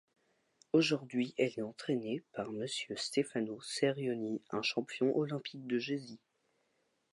Aujourd'hui elle est entraînée par M Stefano Cerioni, un champion olympique de Jesi.